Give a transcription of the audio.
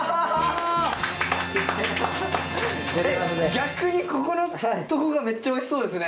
逆にここのとこがめっちゃおいしそうですね！